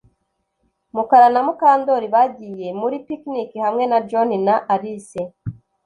Mukara na Mukandoli bagiye muri picnic hamwe na John na Alice